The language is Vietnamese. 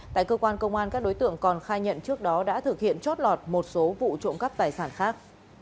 tại cơ quan công an các đối tượng còn khai nhận trước đó đã thực hiện chót lọt một số vụ trộm cắp tài sản khác